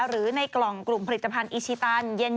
หรือในกล่องกลุ่มผลิตภัณฑ์อีชิตันเย็น